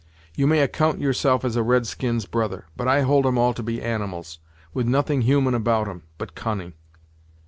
"You may account yourself as a red skin's brother, but I hold'em all to be animals; with nothing human about 'em but cunning.